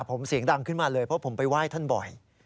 ผมเสียงดังขึ้นมาเลยเพราะผมไปไหว้ท่านบ่อย